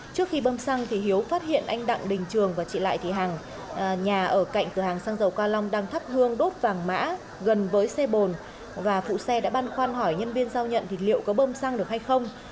trước khi bơm xăng hiếu phát hiện anh đặng đình trường và chị lại thị hằng nhà ở cạnh cửa hàng xăng dầu ca long đang thắp hương đốt vàng mã gần với xe bồn và phụ xe đã băn khoăn hỏi nhân viên giao nhận thì liệu có bơm xăng được hay không